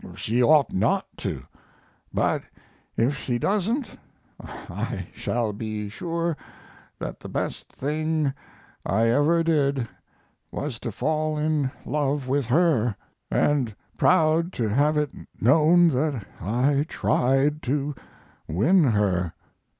She ought not to. But if she doesn't I shall be sure that the best thing I ever did was to fall in love with her, and proud to have it known that I tried to win her!"